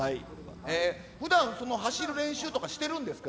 ふだん、走る練習とかしてるんですか？